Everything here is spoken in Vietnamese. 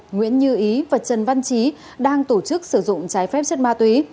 nguyễn như ý và trần văn trí đang tổ chức sử dụng trái phép chất ma túy